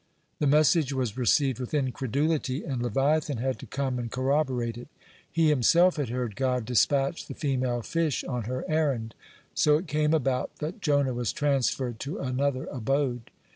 The message was received with incredulity, and leviathan had to come and corroborate it; he himself had heard God dispatch the female fish on her errand. So it came about that Jonah was transferred to another abode.